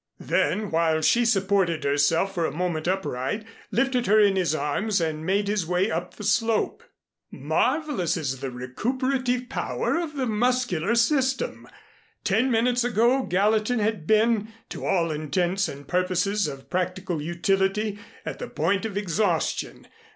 Then while she supported herself for a moment upright, lifted her in his arms and made his way up the slope. Marvelous is the recuperative power of the muscular system! Ten minutes ago Gallatin had been, to all intents and purposes of practical utility, at the point of exhaustion.